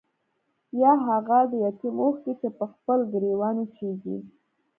يا هاغه د يتيم اوښکې چې پۀ خپل ګريوان وچيږي